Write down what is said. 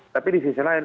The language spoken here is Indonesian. tapi di sisi lain